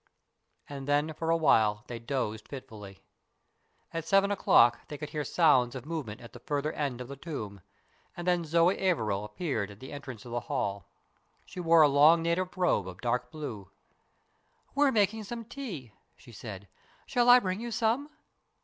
And then for a while they dozed fitfully. At seven o'clock they could hear sounds of move ment at the farther end of the tomb, and then Zoe Averil appeared at the entrance of the hall. She wore a long native robe of dark blue. " We're making some tea," she said. " Shall I bring you some